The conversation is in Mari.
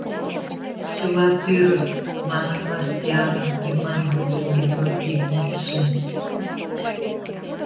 — Чыла тӱрыс, — манын Марсианов лӱман руш гидротехникше.